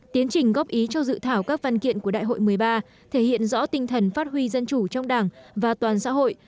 tiến trình góp ý cho dự thảo các văn kiện của đại hội một mươi ba thể hiện rõ tinh thần phát huy dân chủ trong đảng và toàn xã hội